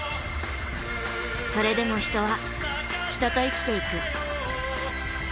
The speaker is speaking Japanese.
それでも人は人と生きていく。